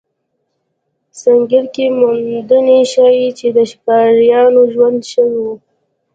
سنګیر کې موندنې ښيي، چې د ښکاریانو ژوند ښه و.